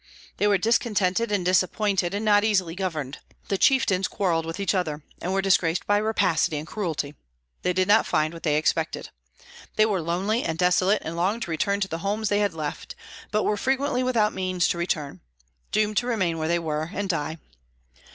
They were discontented and disappointed, and not easily governed; the chieftains quarrelled with each other, and were disgraced by rapacity and cruelty. They did not find what they expected. They were lonely and desolate, and longed to return to the homes they had left, but were frequently without means to return, doomed to remain where they were, and die.